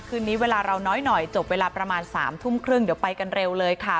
คืนนี้เวลาเราน้อยหน่อยจบเวลาประมาณ๓ทุ่มครึ่งเดี๋ยวไปกันเร็วเลยค่ะ